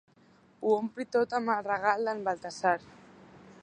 Ho ompli tot amb el regal d'en Baltasar.